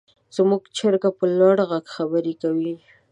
زموږ چرګه په لوړ غږ خبرې کوي.